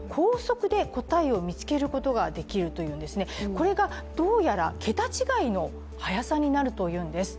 これがどうやら桁違いの早さになるというんです。